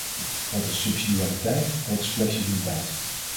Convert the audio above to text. Dat is subsidiariteit, dat is flexibiliteit.